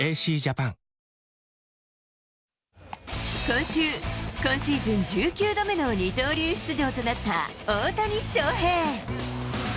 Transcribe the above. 今週、今シーズン１９度目の二刀流出場となった大谷翔平。